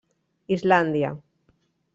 Islàndia.